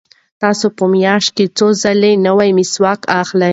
تاسو په میاشت کې څو ځله نوی مسواک اخلئ؟